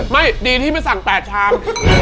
ไม่ดีที่ไม่สั่ง๘ชาม